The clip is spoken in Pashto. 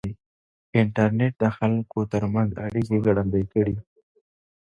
انټرنېټ د خلکو ترمنځ اړیکې ګړندۍ کړې دي.